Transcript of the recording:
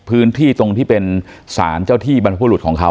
พื้นที่ตรงที่เป็นสารเจ้าที่บรรพบุรุษของเขา